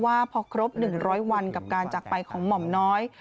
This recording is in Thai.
ว่าพอครบ๑๐๐วันกับการจักรไปของหม่อมน้อย